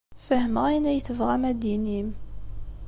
Fehmeɣ ayen ay tebɣam ad d-tinim.